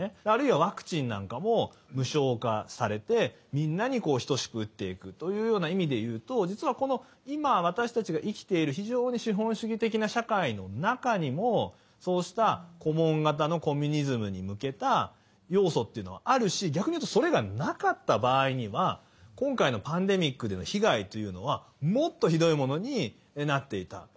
あるいはワクチンなんかも無償化されてみんなにこう等しく打っていくというような意味でいうと実はこの今私たちが生きている非常に資本主義的な社会の中にもそうしたコモン型のコミュニズムに向けた要素っていうのがあるし逆に言うとそれがなかった場合には今回のパンデミックでの被害というのはもっとひどいものになっていた。